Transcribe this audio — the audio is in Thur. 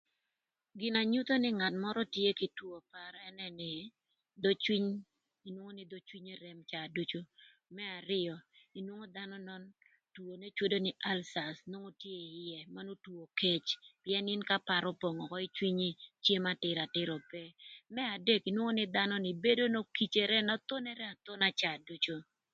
Gin na nyutho nï ngat mörö tye kï two par ënë nï dhö cwiny winyo nï rem cawa ducu. Më arïö nwongo dhanö nön two n'ecwodo nï ulchers nwongo tye ïë, manön two kec na par opong ökö ï cwinyi cem atïra atïr ope. Më adek inwongo nï dhanö ni bedo n'okicere na thonere athona caa ducu.